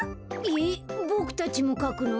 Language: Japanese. えっボクたちもかくの？